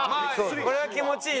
これは気持ちいいね。